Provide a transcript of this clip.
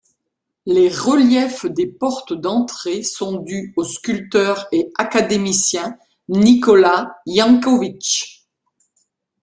Les reliefs des portes d'entrée sont dus au sculpteur et académicien Nikola Janković.